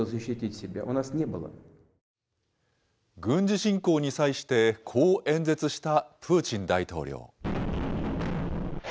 軍事侵攻に際して、こう演説したプーチン大統領。